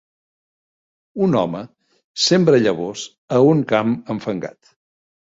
Un home sembra llavors a un camp enfangat